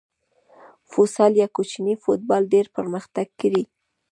فوسال یا کوچنی فوټبال ډېر پرمختګ کړی.